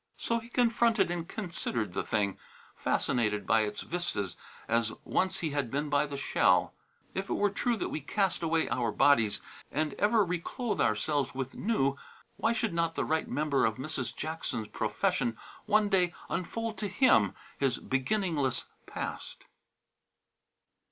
So he confronted and considered the thing, fascinated by its vistas as once he had been by the shell. If it were true that we cast away our worn bodies and ever reclothe ourselves with new, why should not the right member of Mrs. Jackson's profession one day unfold to him his beginningless past?